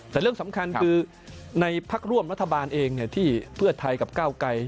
แต่เรื่องสำคัญคือในพักร่วมรัฐบาลเองที่เพื่อไทยกับก้าวไกร